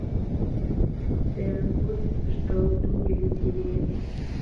کە دەیانگوت هەشتا و دوو میللەتی لێیە